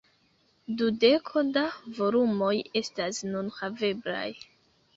Dudeko da volumoj estas nun haveblaj.